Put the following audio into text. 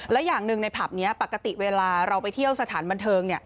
และอย่างหนึ่งในผับนี้ปกติเวลาเราไปเที่ยวสถานบันเทิง